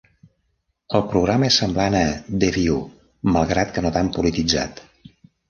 El programa és semblant a "The View", malgrat que no tan polititzat.